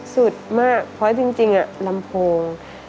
สุดมากเพราะจริงลำโพง